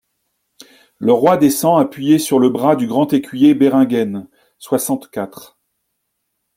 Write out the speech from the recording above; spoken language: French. Le roi descend appuyé sur le bras du grand écuyer Béringhen (soixante-quatre).